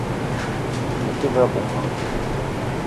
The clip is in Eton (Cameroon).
Me te ve a bou ngang